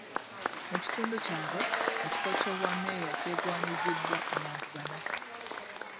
Mu kitundu kyabwe, ekifo Ky'obwa meeya kyegwanyizibwa abantu bana.